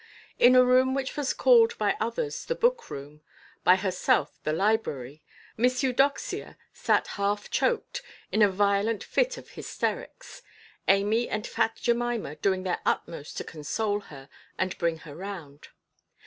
In a room which was called by others the book–room, by herself "the library", Miss Eudoxia sat half choked, in a violent fit of hysterics, Amy and fat Jemima doing their utmost to console her and bring her round.